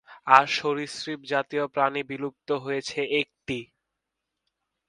আর সরীসৃপজাতীয় প্রাণী বিলুপ্ত হয়েছে একটি।